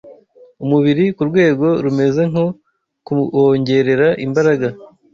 umubiri ku rwego rumeze nko kuwongerera imbaraga